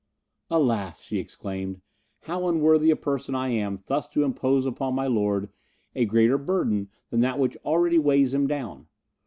"Alas!" she exclaimed, "how unworthy a person I am thus to impose upon my lord a greater burden than that which already weighs him down!